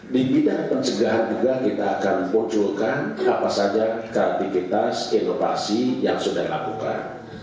di bidang pencegahan juga kita akan munculkan apa saja kreativitas inovasi yang sudah dilakukan